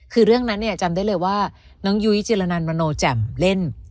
คือเรื่องนั้นเนี่ยจำได้เลยว่าน้องยุ้ยจิลนันมโนแจ่มเล่น